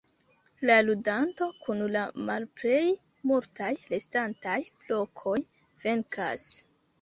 La ludanto kun la malplej multaj restantaj blokoj venkas.